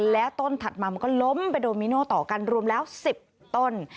แล้วต้นถัดมามันก็ล้มไปโดมิโนต่อกันรวมแล้ว๑๐ต้น